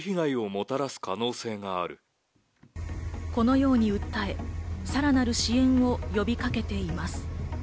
このように訴え、さらなる支援を呼びかけています。